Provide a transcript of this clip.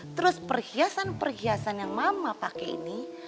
terus perhiasan perhiasan yang mama pakai ini